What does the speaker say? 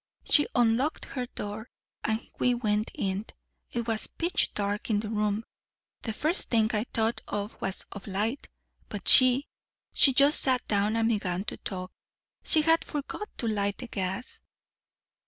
She unlocked her door, and we went in. It was pitch dark in the room the first thing I thought of was a light. But she she just sat down and began to talk. She had forgot to light the gas."